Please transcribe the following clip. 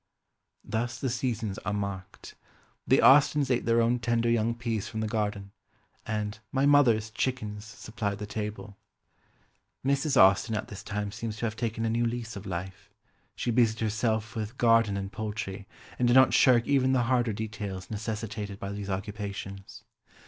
Thus the seasons are marked. The Austens ate their own tender young peas from the garden, and "my mother's" chickens supplied the table. Mrs. Austen at this time seems to have taken a new lease of life, she busied herself with garden and poultry, and did not shirk even the harder details necessitated by these occupations.